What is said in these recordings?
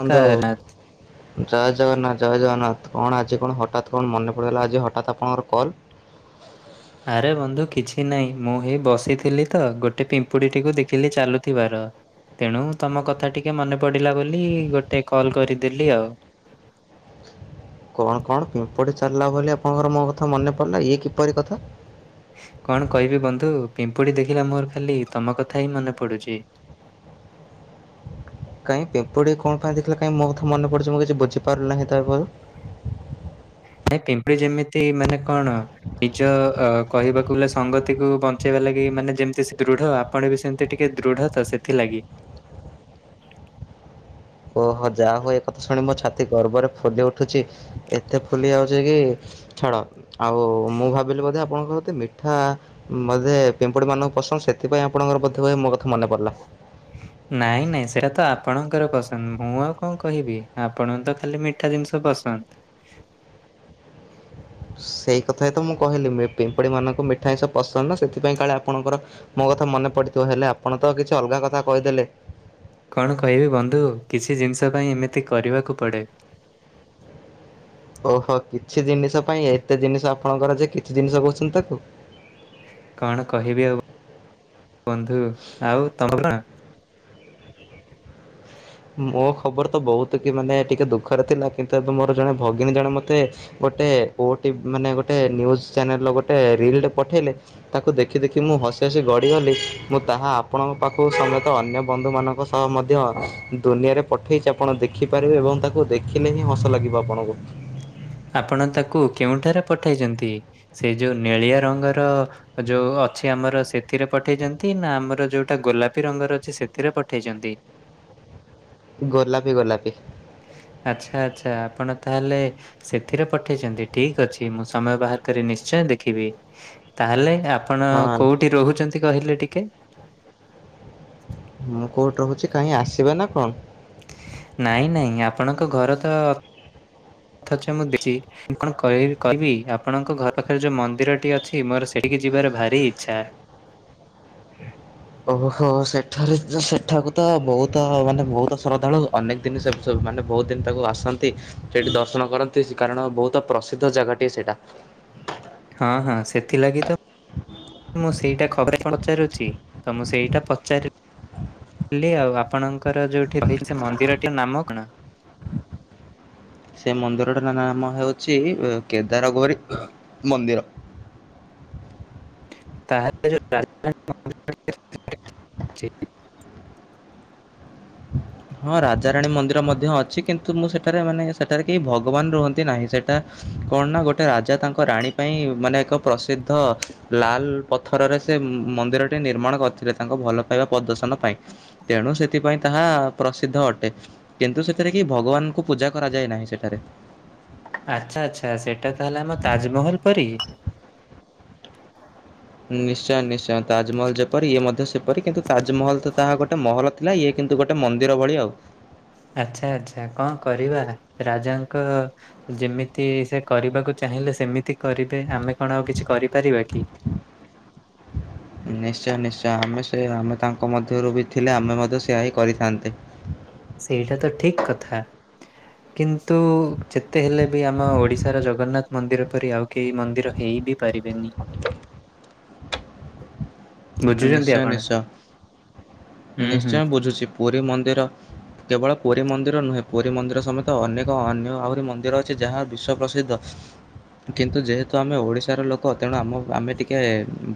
ବନ୍ଧୁ ନମସ୍କାର ଜୟ ଜଗନ୍ନାଥ ଜୟ ଜଗନ୍ନାଥ। କଣ ଆଜି କଣ ହଠାତ୍ କଣ ମନେ ପଡ଼ିଗଲା ଆଜି ହଠାତ୍ ଆପଣଙ୍କର କଲ୍। ଆରେ ବନ୍ଧୁ କିଛି ନାହିଁ ମୁଁ ହେଇ ବସିଥିଲି ତ ଗୋଟେ ପିମ୍ପୁଡିଟିକୁ ଦେଖିଲି ଚାଲୁଥିବାର ତେଣୁ ତମ କଥା ଟିକେ ମନେ ପଡ଼ିଲା ବୋଲି ଗୋଟେ କଲ କରିଦେଲି ଆଉ। [inaudible] କଣ କଣ ପିମ୍ପୁଡ଼ି ଚାଲିଲା ବୋଲି ଆପଣଙ୍କର ମୋ କଥା ମନେ ପଡିଲା ଇଏ କିପରି କଥା? କଣ କହିବି ବନ୍ଧୁ ପିମ୍ପୁଡି ଦେଖିଲା ମୋର ଖାଲି ତମ କଥା ହିଁ ମନେ ପଡୁଛି। [inaudible] କାଇଁ ପିମ୍ପୁଡି କଣ ପାଇଁ ଦେଖିଲ କାଇଁ ମୋ କଥା ମନେ ପଡଛି ମୁଁ କିଛି ବୁଝି ପାରୁିଲ ନାହିଁ ତରୁ [inaudible] ନାଇ ପିମ୍ପୁଡି ଯେମିତି ମାନେ କଣ ନିଜ ଅ କହିବାକୁ ଗଲେ ସଂଗତିକୁ ବଞ୍ଚେଇବା ଲାଗ ମାନେ ଯେମିତି ସେ ଦୃଢ ଆପଣ ବି ସେମିତି ଟିକେ ଦୃଢ ତ ସେଥିଲାଗି। [inaudible] ଓହୋ ଯାହା ହଉ ଏ କଥା ଶୁଣି ମୋ ଛାତି ଗର୍ବରେ ଫୁଲି ଉଠୁଛି ଏତେ ଫୁଲି ଯାଉଛି କି ଛାଡ ଆଉ ମୁଁ ଭାବିଲି ବୋଧେ ଆପଣଙ୍କତେ ମିଠା ବୋଧେ ପିମ୍ପୁଡି ମାନଙ୍କୁ ପସନ୍ଦ ସେଥିପାଇଁ ଆପଣଙ୍କର ବୋଧେହୁଏ ମୋ କଥା ମନେ ପଡିଲା। [inaudible] ନାଇଁ ନାଇଁ ସେଇଟା ତ ଆପଣଙ୍କର ପସନ୍ଦ ମୁଁ ଆଉ କଣ କହିବି ଆପଣଙ୍କୁ ତ ଖାଲି ମିଠା ଜିନିଷ ପସନ୍ଦ। [inaudible] ସେଇ କଥାଇ ତ ମୁଁ କହିଲି ପିମ୍ପୁଡି ମାନଙ୍କୁ ମିଠାଁ ସବୁ ପସନ୍ଦ ନା ସେଥିପାଇଁ କାଳେ ଆପଣଙ୍କର ମୋ କଥା ମନେ ପଡିଥିବ ହେଲେ ଆପଣ ତ କିଛି ଅଲଗା କଥା କହିଦେଲେ। କଣ କହିବି ବନ୍ଧୁ କିଛି ଜିନିଷ ପାଇଁ ଏମିତି କରିବାକୁ ପଡ଼େ। ଓହୋ କିଛି ଜିନିଷ ପାଇଁ ଏତେ ଜିନିଷ ଆପଣଙ୍କର ଯେ କିଛି ଜିନିଷ କହୁଛନ୍ତି ତାକୁ। କଣ କହିବି ଆଉ ବନ୍ଧୁ ଆଉ ତମ କଣ? ମୋ ଖବର ତ ବହୁତ କି ମାନେ ଟିକେ ଦୁଃଖରେ ଥିଲା କିନ୍ତୁ ଏବେ ମୋର ଜଣେ ଭଗିନୀ ଜଣେ ମତେ ଗୋଟେ ଓଟିଭି ମାନେ ଗୋଟେଜ ନିୟୁଜ୍ ଚାନେଲ ଗୋଟେ ରିଲଟେ ପଠେଇଲେ ତାକୁ ଦେଖି ଦେଖି ମୁଁ ହସି ହସି ଗଡ଼ିଗଲି ମୁଁ ତାହା ଆପଣଙ୍କ ପାଖକୁ ସମେତ ଅନ୍ୟ ବନ୍ଧୁମାନଙ୍କ ସହ ମଧ୍ୟ ଦୁନିଆରେ ପଠେଇଛି ଆପଣ ଦେଖିପାରିବେ ଏବଂ ତାକୁ ଦେଖିଲେ ହିଁ ହସ ଲାଗିବ ଆପଣଙ୍କୁ। ଆପଣ ତାକୁ କେଉଁଠାରେ ପଠେଇଛନ୍ତି ସେ ଯୋଉ ନେଳିଆ ରଙ୍ଗର ଯୋଉ ଅଛି ଆମର ସେଥିରେ ପଠେଇଛନ୍ତି ନା ଆମର ଯୋଉଟା ଗୋଲାପୀ ରଙ୍ଗର ଅଛି ସେଥିରେ ପଠେଇଛନ୍ତି। [inaudible] ଗୋଲାପୀ ଗୋଲାପୀ। ଆଚ୍ଛା ଆଚ୍ଛା ଆପଣ ତାହେଲେ ସେଥିରେ ପଠେଇଛନ୍ତି ଠିକ୍ ଅଛି ମୁଁ ସମୟ ବାହାର କରି ନିଶ୍ଚୟ ଦେଖିବି ତାହେଲେ ଆପଣ ହଁ କୋଉଠି ରହୁଛନ୍ତି କହିଲେ ଟିକେ। ମୁଁ କୋଉଠି ରହୁଛି କାହିଁ ଆସିବେ ନା କଣ? ନାଇଁ ନାଇଁ ଆପଣଙ୍କ ଘର ତ ଥା ମୁଁଛି କଣ କହିବି ଆପଣଙ୍କ ଘର ପାଖରେ ଯୋଉ ମନ୍ଦିର ଟି ଅଛି ମୋର ସେଠିକି ଯିବାର ଭାରି ଇଚ୍ଛା। ଓହୋ ସେଠାରେ ସେଠାକୁ ତ ବହୁତ ମାନେ ବହୁତ ଶ୍ରଦ୍ଧାଳୁ ଅନେକ ଦିନବୁ ମାନେ ବହୁତ ଦିନ ତାକୁ ଆସା ସେଠି ଦର୍ଶନ କରନ୍ତି, କାରଣ ବହୁତ ପ୍ରସିଦ୍ଧ ଜାଗାଟିଏ ସେଇଟା। ହଁ ହଁ ସେଥିଲାଗି ତ। ମୁଁ ସେଇଟା ଖବର ପଚାରୁଛି, ତ ମୁଁ ସେଇଟା ପଚାରି ହେ ଆଉ ଆପଣଙ୍କର ଯୋଉଠି ରହିଛି ମନ୍ଦିରଟି ନାମ କଣ? [inaudible] ସେ ମନ୍ଦିରଟା ନାମ ହେଉଛି- କେଦାରଗୌରି ମନ୍ଦିର। [inaudible] ତାହେଲେ [unintelligible] ହ [inaudible] ହଁ ରାଜାରାଣୀ ମନ୍ଦିର ମଧ୍ୟ ଅଛି କିନ୍ତୁ ମୁଁ ସେଠାରେ ମାନେ ସେଠାରେ କେହି ଭଗବାନ ରୁହନ୍ତି ନାହିଁ, ସେଇଟା କଣ ନା ଗୋଟେ ରାଜା ତାଙ୍କ ରାଣୀ ପାଇଁ ମାନେ ଏକ ପ୍ରସିଦ୍ଧ ଲାଲ ପଥରରେ ସେ ମନ୍ଦିରଟି ନିର୍ମାଣ କରିଥିଲେ ତାଙ୍କ ଭଲ ପାଇବା ପ୍ରଦର୍ଶନ ପାଇଁ, ତେଣୁ ସେଥିପାଇଁ ତାହା ପ୍ରସିଦ୍ଧ ଅଟେ କିନ୍ତୁ ସେଥିରେ କି ଭଗବାନଙ୍କୁ ପୂଜା କରାଯାଏ ନାହିଁ ସେଠାରେ। ଆଚ୍ଛା, ଆଚ୍ଛା, ସେଇଟା ତାହେଲେ ଆମ ତାଜମହଲ ପରି। ନିଶ୍ଚୟ, ନିଶ୍ଚୟ, ତାଜମହଲ ଯେପରି ଇଏ ମଧ୍ୟ ସେପରି କିନ୍ତୁ ତାଜମହଲ ତ ତାହା ଗୋଟେ ମହଲ ଥିଲା, ଇଏ କିନ୍ତୁ ଗୋଟେ ମନ୍ଦିର ଭଳି ଆଉ ଆଚ୍ଛା, ଆଛା, କଣ କରିବା? ରାଜାଙ୍କ ଯେମିତି ସେ କରିବାକୁ ଚାହିଁ ଚାହିଁଲେ ସେମିତି କରିବେ ଆମେ କଣ ଆଉ କିଛି କରିପାରିବା କି? ନିଶ୍ଚୟ, ନିଶ୍ଚୟ, ଆମେ ସେ ଆମେ ତାଙ୍କ ମଧ୍ୟରୁ ବି ଥିଲେ ଆମେ ମଧ୍ୟ ସେଆ ହିଁ କରିଥାନ୍ତେ। ସେଇଟା ତ ଠିକ କଥା। କିନ୍ତୁ ଯେତେ ହେଲେ ବି ଆମ ଓଡିଶାର ଜଗନ୍ନାଥ ମନ୍ଦିର ପରି ଆଉ କେହି ମନ୍ଦିର ହେଇବି ପାରିବେନି। ବୁଝୁଛନ୍ତି ନିଶ୍ଚୟ ଆପଣ ନିଶ୍ଚୟ [inaudible] ହୁଁ ହୁଁ ନିଶ୍ଚୟ ବୁଝୁଛି ପୁରୀ ମନ୍ଦିର କେବଳ ପୁରୀ ମନ୍ଦିର ନୁହେଁ, ପୁରୀ ମନ୍ଦିର ସମେତ ଅନେକ ଅନ୍ୟ ଆହୁରି ମନ୍ଦିର ଅଛି ଯାହା ବିଶ୍ଵ ପ୍ରସି ଦ୍ଧ।। ଦଶ [unintelligible] କିନ୍ତୁ ଯେହେତୁ ଆମେ ଓଡିଶାର ଲୋକ, ତେଣୁ ଆମ ଆମେ ଟିକେ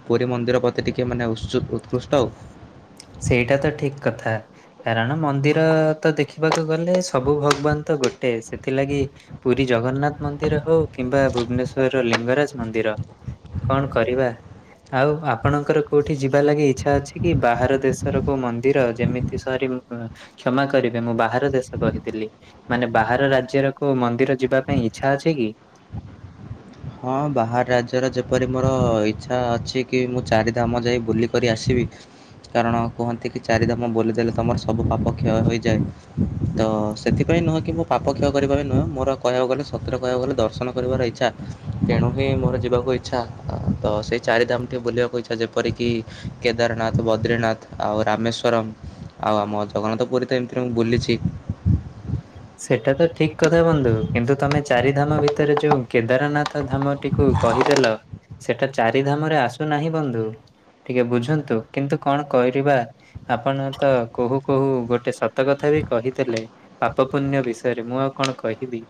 ପୁରୀ ମନ୍ଦିର ପ୍ରତି ଟିକେ କି ମାନେ ଉୁ ଉତ୍କୃଷ୍ଟ ହେଉ। ସେଇଟା ତ ଠିକ କଥା, କାରଣ ମନ୍ଦିର ତ ଦେଖିବାକୁ ଗଲେ ସବୁ ଭଗବାନ ତ ଗୋଟେ, ସେଥିଲାଗି ପୁରୀ ଜଗନ୍ନାଥ ମନ୍ଦିର ହଉ କିମ୍ବା ଭୁବନେଶ୍ଵରର ଲିଙ୍ଗରାଜ ମନ୍ଦିର କଣ କରିବା? ଆଉ ଆପଣଙ୍କର କୋଉଠି ଯିବା ଲାଗି ଇଚ୍ଛା ଅଛି କି ବାହାର ଦେଶର କଉ ମନ୍ଦିର ଯେମିତି, ସରି କ୍ଷମା କରିବେ ମୁଁ ବାହାର ଦେଶ କହିଥିଲି ମାନେ ବାହାର ରାଜ୍ୟରକୋଉ ମନ୍ଦିର ଯିବା ପାଇଁ ଇଚ୍ଛା ଅଛି କି? ହଁ ବାହାର ରାଜ୍ୟର ଯେପରି ମୋର ଇଚ୍ଛା ଅଛି କି ମୁଁ ଚାରିଧାମ ଯାଇ ବୁଲିକରି ଆସିବି। ଠିକ୍ [unintelligible] କାରଣ କୁହନ୍ତି କି -ଚାରିଦାମ ବୁଲିଦେଲେ ତମର ସବୁ ପାପ କ୍ଷୟ ହେଇଯାଏ, ତ ସେଥିପାଇଁ ନୁହଁ କି ମୋ ପାପ କ୍ଷୟ କରିବା ପାଇଁ ନୁହେଁ, ମୋର କହିବାକୁ ଗଲେ ସତରେ କହିବାକୁ ଗଲେ ଦର୍ଶନ କରିବାର ଇଚ୍ଛା। ତେଣୁ ହିଁ ମୋର ଯିବାକୁ ଇଛା, ତ ସେଇ ଚାରି ଦାମ ଟିକେ ବୁଲିବାକୁ ଇଚ୍ଛା, ଯେପରିକି କେଦାରନାଥ, ବଦ୍ରିନାଥ ଆଉ ରାମେଶ୍ଵରମ୍। ଆଉ ଆମ ଜଗନ୍ନାଥ ପୁରୀ ତ ଏମିତିରେ ମୁଁ ବୁଲିଛି। ସେଟା ତ ଠିକ କଥା ବନ୍ଧୁ କିନ୍ତୁ ତମେ ଚାରି ଧାମ ଭିତରେ ଯୋଉ କେଦାରନାଥ ଧାମ ଟିକୁ କହିଦେଲ, ସେଟା ଚାରି ଧାମରେ ଆସୁନାହିଁ ବନ୍ଧୁ। ଟିକେ ବୁଝନ୍ତୁ କିନ୍ତୁ କଣ କରିବା ଆପଣ ତ କହୁ କହୁ ଗୋଟେ ସତ କଥା ବି କହିଥିଲେ, ପାପ ପୁଣ୍ୟ ବିଷୟରେ, ମୁଁ ଆଉ କଣ କହିବି?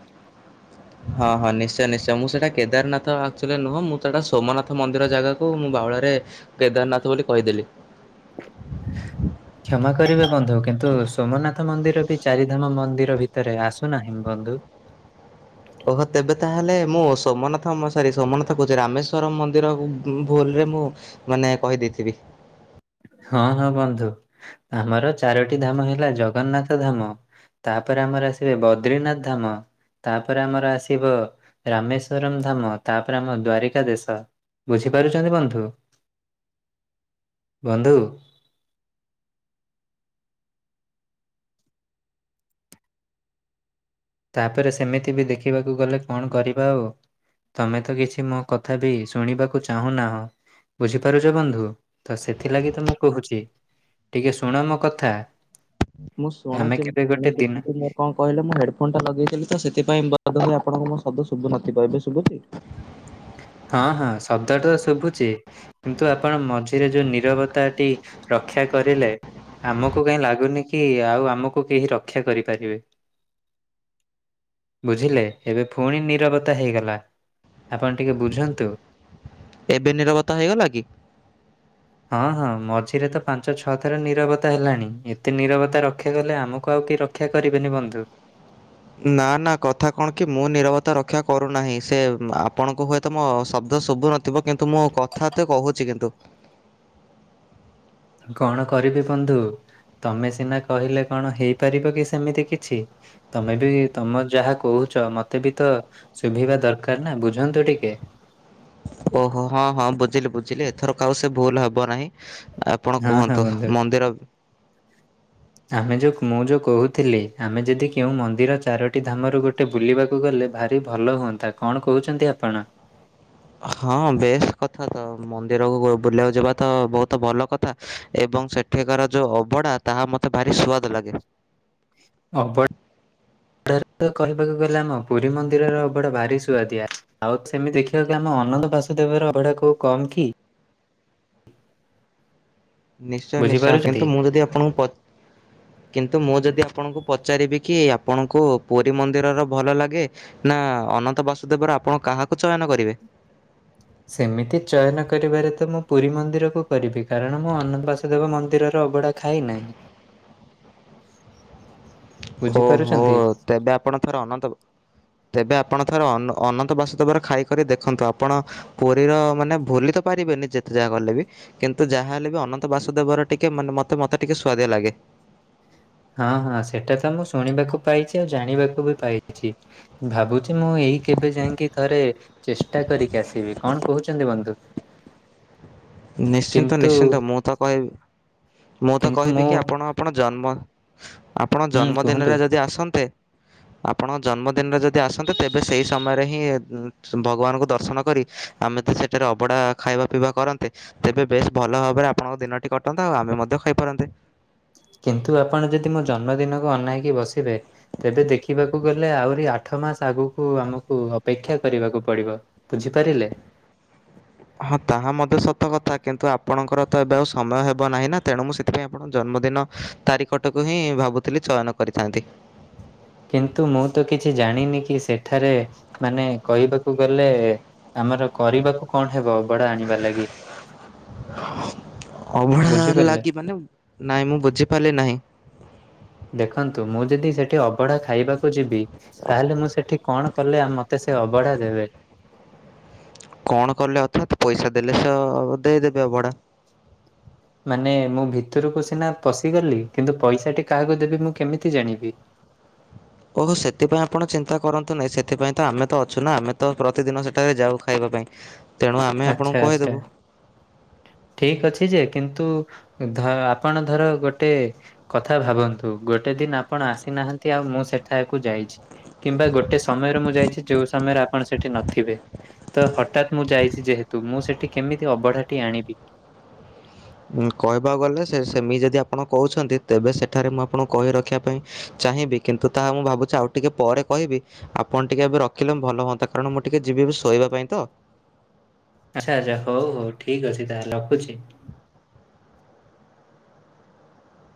ହଁ ହଁ ନିଶ୍ଚୟ, ନିଶ୍ଚୟ, ମୁଁ ସେଇଟା କେଦାରନାଥ ଆକୁଚୁଆଲି ନୁହଁ, ମୁଁ ସେଟା ସୋମନାଥ ମନ୍ଦିର ଜାଗାକୁ ମୁଁ ବା ଫଳରେ କେଦାରନାଥ ବୋଲି କହିଦେଲି। [inaudible] କ୍ଷମା କରିବେ ବନ୍ଧୁ କିନ୍ତୁ ସୋମନାଥ ମନ୍ଦିର ବି ଚାରିଧାମ ମନ୍ଦିର ଭିତରେ ଆସୁନାହିଁ ବନ୍ଧୁ। [inaudible] ଓହୋ ତେବେ ତାହେଲେ ମୁଁ ସୋମନାଥ ମ ସରି ସୋମନାଥ କହୁଛି ରାମେଶ୍ଵରମ ମନ୍ଦିର ଭୁଲରେ ମୁଁ ମାନେ କହିଦେଇଥିବି। ହଁ ହଁ ବନ୍ଧୁ ଆମର ଚାରୋଟି ଧାମ ହେଲା ଜଗନ୍ନାଥ ଧାମ ତାପରେ ଆମର ଆସିବେ ବଦ୍ରିନାଥ ଧାମ ତାପରେ ଆମର ଆସିବ ରାମେଶ୍ୱରମ ଧାମ ତାପରେ ଆମ ଦ୍ଵାରିକା ଦେଶ ବୁଝିପାରୁଛନ୍ତି ବନ୍ଧୁ? ବନ୍ଧୁ ତାପରେ ସେମିତି ବି ଦେଖିବାକୁ ଗଲେ କଣ କରିବା ଆଉ ତମେ ତ କିଛି ମୋ କଥା ବି ଶୁଣିବାକୁ ଚାହୁଁ ନାହଁ ବୁଝିପାରୁଛ ବନ୍ଧୁ ତ ସେଥିଲାଗି ତ ମୁଁ କହୁଛି ଟିକେ ଶୁଣ ମୋ କଥା। ମୁଁ ଆମେ ଶୁଣୁଛି କେବେ ମୁଁ ଗୋଟେ ଶୁଛି ଦିନ କିନ୍ତୁ ମୋର କଣ କହିଲେ ମୁଁ ଫୋନ ଟା ଲଗେଇଥିଲି ତ ସେଥିପାଇଁ ବଧ ହୁଏ ଆପଣଙ୍କୁ ମୋ ଶବଦ ଶୁଭୁନଥିବ ଏବେ ଶୁଭୁଛି [inaudible] ହଁ ହଁ ଶବ୍ଦଟା ତ ଶୁଭୁଛି କିନ୍ତୁ ଆପଣ ମଝିରେ ଯୋଉ ନିରବତାଟି ରକ୍ଷା କରିଲେ ଆମକୁ କାଇଁ ଲାଗୁନି କି ଆଉ ଆମକୁ କେହି ରକ୍ଷା କରିପାରିବେ। ବୁଝିଲେ ଏବେ ଫୁଣି ନିରବତା ହେଇଗଲା। ଆପଣ ଟିକେ ବୁଝନ୍ତୁ। ଏବେ ନିରବତ୍ତା ହେଇଗଲା କି? ହଁ ହଁ ମଝିରେ ତ ପାଞ୍ଚ ଛଅ ଥର ନିରବତା ହେଲାଣି ଏତେ ନିରବତା ରକ୍ଷା କଲେ ଆମକୁ ଆଉ ରକ୍ଷା କରିବେନି ବନ୍ଧୁ। ନା ନା କଥା କଣ କି ମୁଁ ନିରବତା ରକ୍ଷା କରୁନାହିଁ ସେ ଆପଣଙ୍କୁ ହୁଏତ ମୋ ଶବ୍ଦ ଶୁଭୁ ନଥିବ କିନ୍ତୁ ମୁଁ କଥା ତେ କହୁଛି କିନ୍ତୁ। [inaudible] କଣ କରିବି ବନ୍ଧୁ ତମେ ସିନା କହିଲେ କଣ ହେଇପାରିବ କି ସେମିତି କିଛି। ତମେ ବି ତମ ଯାହା କହୁଛ ମତେ ବି ତ ଶୁଭିବା ଦରକାର ନା ବୁଝନ୍ତୁ ଟିକେ। [inaudible] ଓହୋ ହଁ ହଁ ବୁଝିଲି ବୁଝିଲି ଏଥର କ ଆଉ ସେ ଭୁଲ ହେବ ନାହିଁ। ଆପଣ ହଁ ହଁ କୁହନ୍ତୁ ବନ୍ଧୁ ମନ୍ଦିର ଆମେ ଯୋଉ ମୁଁ ଯେଉଁ କହୁଥିଲି ଆମେ ଯଦି କେଉଁ ମନ୍ଦିର ଚାରୋଟି ଧାମରୁ ଗୋଟେ ବୁଲିବାକୁ ଗଲେ ଭାରି ଭଲ ହୁଅନ୍ତା କଣ କହୁଛନ୍ତି ଆପଣ? ହଁ ବେଶ କଥା ତ ମନ୍ଦିରକୁ ବୁଲିବାକୁ ଯିବା ତ ବହୁତ ଭଲ କଥା ଏ ଏବଂ ସେଠିକାର ଯଉ ଅବଡ଼ା ତାହା ମୋତେ ଭାରି ସୁ୍ଆଦ ଲାଗେ ଅବଢାରେ କହିବାକୁ ଗଲେ ଆମ ପୁରୀ ମନ୍ଦିରର ଅବଡା ଭାରି ସୁଆଦିଆ ଆଉ ସେମିତି ଦେଖିବାକୁ ଆମ ଅନନ୍ଦ ବାସ ଦେବର ଅବଢ଼ା କଉ କମ୍ କି? ନିଶ୍ଚୟ ନିଶ୍ଚୟ କିନ୍ତୁ ବୁଝିପାରୁଛନ୍ତି? ମୁଁ ଯଦି ଆପଣଙ୍କୁ ପ କିନ୍ତୁ ମୁଁ ଯଦି ଆପଣଙ୍କୁ ପଚାରିବି କି ଆପଣଙ୍କୁ ପୁରୀ ମନ୍ଦିରର ଭଲ ଲାଗେ ନା ଅନନ୍ତ ବାସୁଦେବର ଆପଣ କାହାକୁ ଚୟନ କରିବେ। [inaudible] ସେମିତି ଚୟନ କରିବାରେ ତ ମୁଁ ପୁରୀ ମନ୍ଦିର କୁ କରିବି କାରଣ ମୁଁ ଅନନ୍ତ ବାସୁଦେବ ମନ୍ଦିରର ଅବଢା ଖାଇ ନାହିଁ। ଓହୋ ବୁଝିପାରୁଛନ୍ତି? ତେବେ ଆପଣଥର ଅନନ୍ତ ତେବେ ଆପ ଆପଣ ଥର ଅନ ଅନନ୍ତ ବାସୁଦେବର ଖାଇକରି ଦେଖନ୍ତୁ ଆପଣ ପୁରୀର ମାନେ ଭୁଲି ତ ପାରିବେନି ଯେତେ ଯାହା କଲେ ବି କିନ୍ତୁ ଯାହା ହେଲେ ବି ଅନନ୍ତ ବାସୁଦେବ ର ଟିକେ ମାନେ ମତେ ମତେ ଟିକେ ସୁଆଦିଆ ଲାଗେ। [inaudible] ହଁ ହଁ ସେଟା ତ ମୁଁ ଶୁଣିବାକୁ ପାଇଛି ଆଉ ଜାଣିବାକୁ ବି ପାଇଛି ଭାବୁଛି ମୁଁ ଏଇ କେବେ ଯାଇକି ଥରେ ଚେଷ୍ଟା କରିକି ଆସିବି କଣ କହୁଛନ୍ତି ବନ୍ଧୁ। ନିଶ୍ଚିନ୍ତ କିନ୍ତୁ ନିଶ୍ଚିନ୍ତ ମୁଁ ତ କହିବି ମୁଁ ତ କହିବି କି ଆପଣ ଆପଣ ଜନ୍ମ ଆପଣ ଜନ୍ମଦିନରେ ଯଦି ଆସନ୍ତେ ହ ଆପଣ ଜନ୍ମଦିନରେ ଯଦି ଆସନ୍ତେ ତେବେ ସେଇ ସମୟରେ ହିଁ ଭଗବାନଙ୍କୁ ଦର୍ଶନ କରି ଆମେ ଯଦି ସେଠାରେ ଅବଡ଼ା ଖାଇବା ପିଇବା କରନ୍ତେ। ତେବେ ବେଶ ଭଲ ଭାବରେ ଆପଣଙ୍କ ଦିନଟି କଟନ୍ତତା ଆଉ ଆମେ ମଧ୍ୟ ଖାଇପାରନ୍ତେ। କିନ୍ତୁ ଆପଣ ଯଦି ମୋ ଜନ୍ମଦିନକୁ ଅନାଇ ବସିବେ ତେବେ ଦେଖିବାକୁ ଗଲେ ଆହୁରି ଆଠ ମାସ ଆଗକୁ ଆମକୁ ଅପେକ୍ଷା କରିବାକୁ ପଡିବ ବୁଝିପାରିଲେ। ହଁ ତାହା ମଧ୍ୟ ସତ କଥା କିନ୍ତୁ ଆପଣଙ୍କର ତ ଏବେ ଆଉ ସମୟ ହେବ ନାହିଁ ନା ତେଣୁ ମୁଁ ସେଥିପାଇଁ ଆପଣ ଜନ୍ମ ଜନ୍ମ ଦିନ ତାରି କଟକୁ ହିଁ ଭାବୁଥିଲି ଚୟନ କରିଥାନ୍ତି। ହ କିନ୍ତୁ ମୁଁ ତ କିଛି ଜାଣିନି କି ସେଠାରେ ମାନେ କହିବାକୁ ଗଲେ ଆମର କରିବାକୁ କଣ ହେବ ଅବଡା ଆଣିବା ଲାଗି? ଅଭଢା ବୁଝିପାରିଲେ? ଲାଗି ମାନେ ନାଇଁ ମୁଁ ବୁଝିପାରିଲି ନାହିଁ? ଦେଖନ୍ତୁ ମୁଁ ଯଦି ସେଠି ଅବଢା ଖାଇବାକୁ ଯିବି ତାହେଲେ ମୁଁ ସେଠି କଣ କଲେଉ ମତେ ସେ ଅବଢା ଦେବେ? କଣ କଲେ ଅଥାତ୍ ପଇସା ଦେଲେ ସେ ଦେଇଦେବେ ଅବଢା? ମାନେ ମୁଁ ଭିତରକୁ ସିନା ପଶିଗଲି କିନ୍ତୁ ପଇସାଟି କାହାକୁ ଦେବି ମୁଁ କେମିତି ଜାଣିବି? ଃ ଓହୋ ସେଥିପାଇଁ ଆପଣ ଚିନ୍ତା କରନ୍ତୁ ନାହିଁ ସେଥିପାଇଁ ତ ଆମେ ତ ଅଛୁ ନା ଆମେ ତ ପ୍ରତିଦିନ ସେଠାରେ ଯାଉ ଖାଇବା ପାଇଁ ତେଣୁ ଆମେ ଆପଣଙ୍କୁ କହିଦେବୁ। [inaudible] ଠିକ ଅଛି ଯେ କିନ୍ତୁ ଧ ଆପଣ ଧର ଗୋଟେ କଥା ଭାବନ୍ତୁ ଗୋଟେ ଦିନ ଆପଣ ଆସିନାହାନ୍ତି ଆଉ ମୁଁ ସେଠାକୁ ଯାଇଛି କିମ୍ବା ଗୋଟେ ସମୟରେ ମୁଁ ଯାଇଛି ଯୋଉ ସମୟରେ ଆପ ଆପଣ ସେଠି ନଥିବେ ତ ହଠାତ୍ ମୁଁ ଯାଇଛି ଯେହେତୁ ମୁଁ ସେଠି କେମିତି ଅବଢା ଆଣିବି? କହିବାକୁ ଗଲେ ସେ ସେମି ଯଦି ଆପଣ କହୁଛନ୍ତି ତେବେ ସେଠାରେ ମୁଁ ଆପଣଙ୍କୁ କହି ରଖିବା ପାଇଁ ଚେ ଚାହିଁବି କିନ୍ତୁ ତାହା ମୁଁ ଭାବୁଛି ଆଉ ଟିକେ ପରେ କହିବି ଆପଣ ଟିକେ ଏବେ ରଖିଲେ ବି ଭଲ ହୁନ୍ତା କାରଣ ମୁଁ ଟିକେ ଯିବି ଶୋଇବା ପାଇଁ ତ। ଆଛା ଆଚ୍ଛା ହଉ ହଉ ଠିକ ଅଛି ତାହେଲେ ରଖୁଛି।